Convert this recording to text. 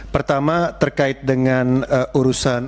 pertama terkait dengan urusan